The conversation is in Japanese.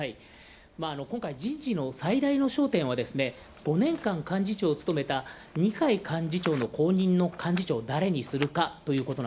今回、人事の最大の焦点は５年間、幹事長をつとめた二階幹事長の後任の幹事長を誰にするか。